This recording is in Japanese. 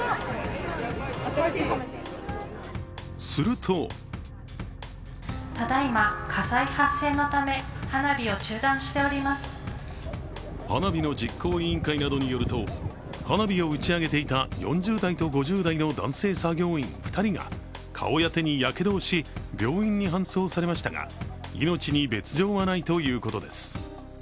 すると花火の実行委員会などによると、花火を打ち上げていた４０代と５０代の男性作業員２人が顔や手にやけどをし、病院に搬送されましたが命に別状はないということです。